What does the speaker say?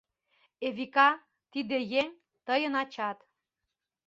Эвика, тиде еҥ — тыйын ачат!